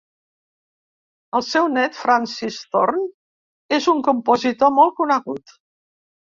El seu net, Francis Thorne, és un compositor molt conegut.